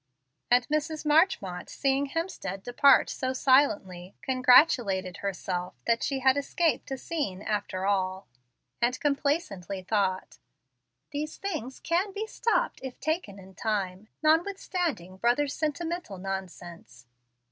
And Mrs. Marchmont, seeing Hemstead depart so silently, congratulated herself that she had escaped a scene after all, and complacently thought, "These things can be 'stopped' if taken in time, notwithstanding brother's sentimental nonsense."